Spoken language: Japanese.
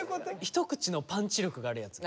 一口のパンチ力があるやつ。